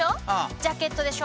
ジャケットでしょ。